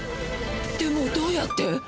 でもどうやって？